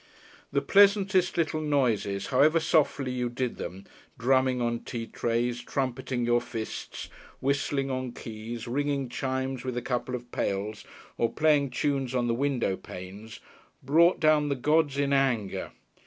The pleasantest little noises, however softly you did them, drumming on tea trays, trumpeting your fists, whistling on keys, ringing chimes with a couple of pails, or playing tunes on the window panes, brought down the gods in anger.